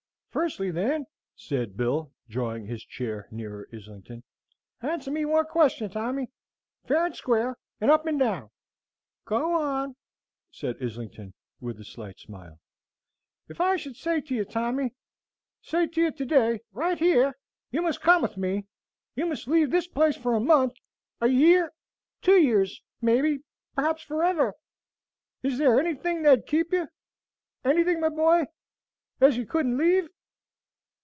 "Firstly, then," said Bill, drawing his chair nearer Islington, "answer me one question, Tommy, fair and square, and up and down." "Go on," said Islington, with a slight smile. "Ef I should say to you, Tommy, say to you to day, right here, you must come with me, you must leave this place for a month, a year, two years maybe, perhaps forever, is there anything that 'ud keep you, anything, my boy, ez you couldn't leave?"